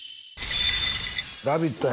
「ラヴィット！」